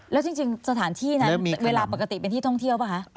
แล้วจริงสถานที่นั้นเวลาปกติเป็นที่ท่องเที่ยวป่ะคะ